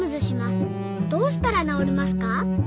どうしたら治りますか？」